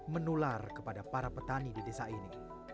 menular kepada para petani di desa ini